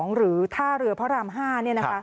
หรือท่าเรือพระราม๕